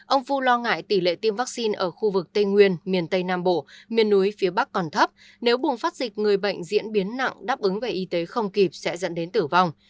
ông phu lo ngại tỷ lệ tiêm vaccine ở khu vực tây nguyên miền tây nam bộ miền núi phía bắc còn thấp nếu bùng phát dịch người bệnh diễn biến nặng đáp ứng về y tế không kịp sẽ dẫn đến tử vong